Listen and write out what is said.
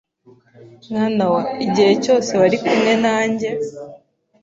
mwana wa, igihe cyose wari kumwe nanjye,